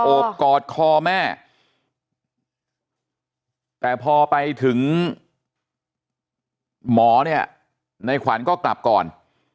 กอดคอแม่แต่พอไปถึงหมอเนี่ยในขวัญก็กลับก่อน